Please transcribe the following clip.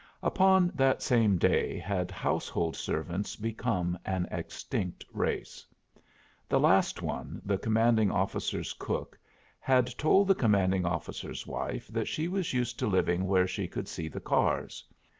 Upon that same day had household servants become an extinct race. The last one, the commanding officer's cook, had told the commanding officer's wife that she was used to living where she could see the cars.